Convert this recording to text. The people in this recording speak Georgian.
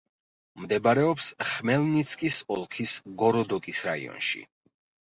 მდებარეობს ხმელნიცკის ოლქის გოროდოკის რაიონში.